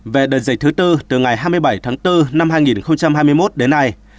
về đợt dịch thứ tư từ ngày hai mươi bảy tháng bốn năm hai nghìn hai mươi một đến nay